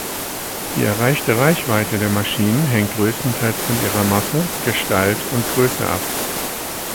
Die erreichte Reichweite der Maschinen hängt größtenteils von ihrer Masse, Gestalt und Größe ab.